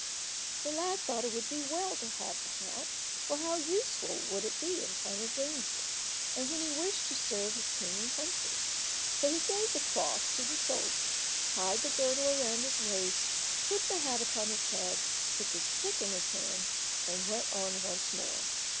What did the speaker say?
The lad thought it would be well to have the hat, for how useful would it be in time of danger, and when he wished to serve his king and country. So he gave the cloth to the soldier, tied the girdle again round his waist, put the hat upon his head, took his stick in his hand, and went on once more.